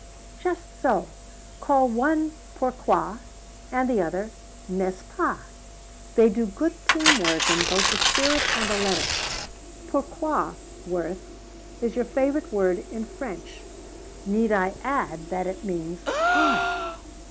"Just so. Call one Pourquoi and the other N'est ce pas. They do good team work in both the spirit and the letter. Pourquoi, Worth, is your favorite word in French. Need I add that it means 'why'?